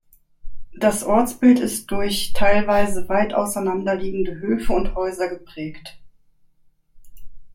Das Ortsbild ist durch teilweise weit auseinanderliegende Höfe und Häuser geprägt.